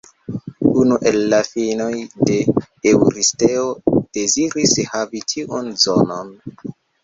Unu el la filinoj de Eŭristeo deziris havi tiun zonon.